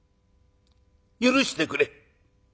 許してくれ。